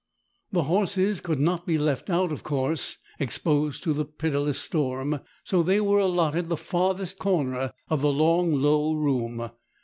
The horses could not be left out, of course, exposed to the pitiless storm, so they were allotted the farthest corner of the long, low room.